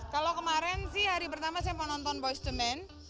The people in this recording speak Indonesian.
kalau kemarin sih hari pertama saya menonton boyz ii men